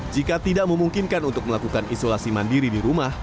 jika tidak memungkinkan untuk melakukan isolasi mandiri di rumah